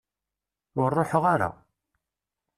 Ur ruḥeɣ ara.